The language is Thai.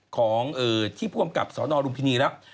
ของที่ผู้กำกับสรุงพินีแล้ว